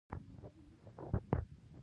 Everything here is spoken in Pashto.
بوټي په کې یو نیم ځای ښکاري.